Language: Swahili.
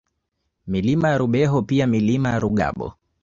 Milima ya Rubeho pia Milima ya Rugabo